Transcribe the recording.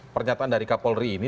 pernyataan dari kapolri ini